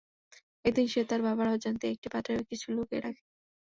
একদিন সে তার বাবার অজান্তেই একটা পাত্রে কিছু লুকিয়ে রাখে।